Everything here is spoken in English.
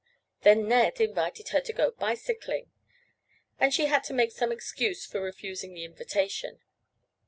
Then Ned invited her to go bicycling, and she had to make some excuse for refusing the invitation.